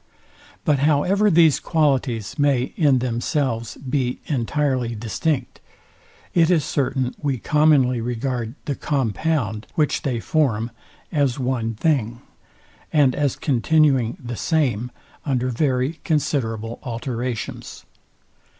But however these qualities may in themselves be entirely distinct, it is certain we commonly regard the compound, which they form, as ONE thing, and as continuing the SAME under very considerable alterations.